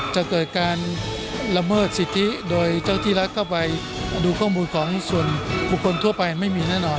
จะเกิดการละเมิดสิทธิโดยเจ้าที่รัฐเข้าไปดูข้อมูลของส่วนบุคคลทั่วไปไม่มีแน่นอน